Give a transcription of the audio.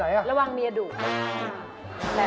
อย่างไรนะเป็นป้ายแบบไหน